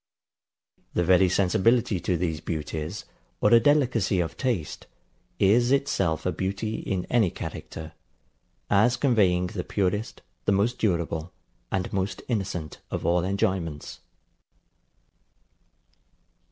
The very sensibility to these beauties, or a delicacy of taste, is itself a beauty in any character; as conveying the purest, the most durable, and most innocent of all enjoyments.